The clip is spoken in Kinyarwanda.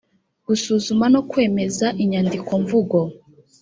gusuzuma no kwemeza inyandikomvugo